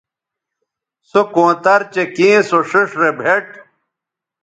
سو کونتر چہء کیں سو ݜئیݜ رے بھیٹ